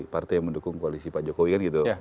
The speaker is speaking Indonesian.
partai yang mendukung koalisi pak jokowi kan gitu